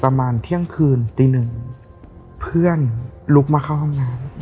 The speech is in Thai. ประมาณเที่ยงคืนตีหนึ่งเพื่อนลุกมาเข้าห้องน้ำ